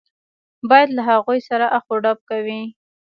بیا له هغوی سره اخ و ډب کوي.